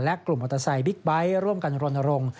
และกลุ่มมอเตอร์ไซค์บิ๊กไบท์ร่วมกันรณรงค์